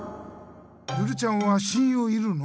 ルルちゃんは親友いるの？